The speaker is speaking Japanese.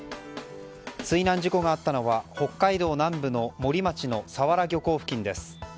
水難事故があったのは北海道南部の森町の砂原漁港付近です。